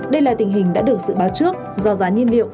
đây là tình hình đã được dự báo trước do giá nhiên liệu